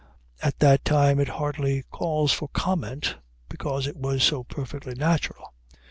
At that time it hardly calls for comment, because it was so perfectly natural.